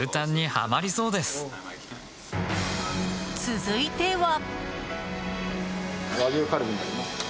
続いては。